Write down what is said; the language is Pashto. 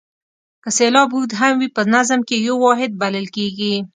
که سېلاب اوږد هم وي په نظم کې یو واحد بلل کیږي.